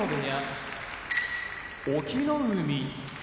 隠岐の海